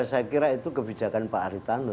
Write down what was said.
saya kira itu kebijakan pak aritano